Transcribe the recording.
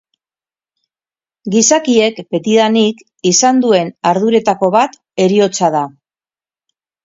Gizakiek, betidanik, izan duen arduretako bat heriotza da.